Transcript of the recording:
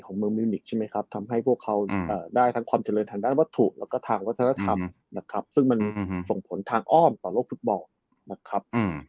ส่งผลทางอ้อมต่อโลกฟุตบอลนะครับ